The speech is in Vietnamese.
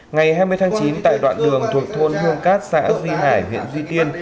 ngày hai mươi tháng chín tại đoạn đường thuộc thôn hương cát xã duy hải huyện duy tiên